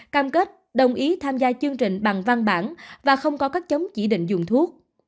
cam kết đồng ý tham gia chương trình bằng văn bản và không có các chống chỉ định dùng thuốc